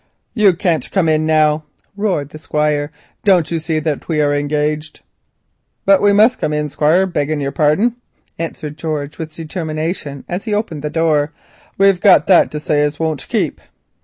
"You can't come in now," roared the Squire; "don't you see that we are engaged?" "But we must come in, Squire, begging your pardon," answered George, with determination, as he opened the door; "we've got that to say as won't keep."